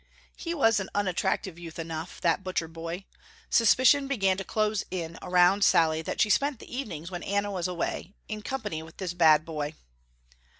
He was an unattractive youth enough, that butcher boy. Suspicion began to close in around Sallie that she spent the evenings when Anna was away, in company with this bad boy.